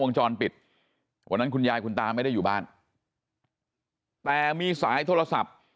จรปิดวันนั้นคุณยายคุณตาไม่ได้อยู่บ้านแต่มีสายโทรศัพท์